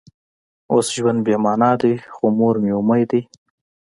اوس ژوند بې معنا دی خو مور مې امید دی